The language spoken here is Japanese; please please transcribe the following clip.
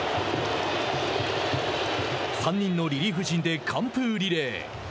３人のリリーフ陣で完封リレー。